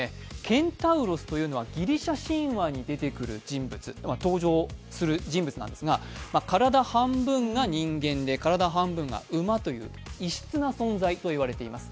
ケンタウロスというのはギリシャ神話に登場する人物なんですが体半分が人間で、体半分が馬という異質な存在と言われています。